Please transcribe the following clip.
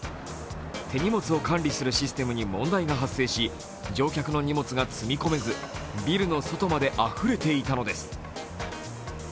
手荷物を管理するシステムに問題が発生し乗客の荷物が積み込めず、ビルの外まであふれていたのです。